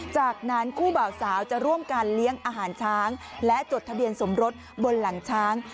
จากนั้นคู่บ่าวสาวจะร่วมกันเลี้ยงอาหารช้างและจดทะเบียนสมรสบนหลังช้าง